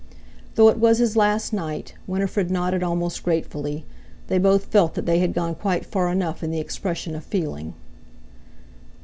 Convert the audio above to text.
Though it was his last night, Winifred nodded almost gratefully; they both felt that they had gone quite far enough in the expression of feeling.